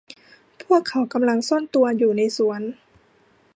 พวกเขากำลังซ่อนตัวอยู่ในสวน